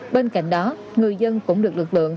bên cạnh đó người dân cũng được lực lượng